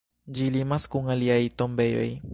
Ĝi limas kun aliaj tombejoj.